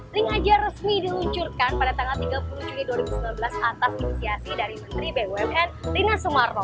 ring aja resmi diluncurkan pada tanggal tiga puluh juli dua ribu sembilan belas atas inisiasi dari menteri bumn rina sumarno